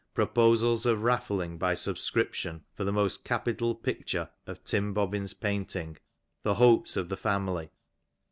Proposals of raffling by subscription for '^the most capital picture of Tim Bobbin''8 painting. The hopes ^^ of the family.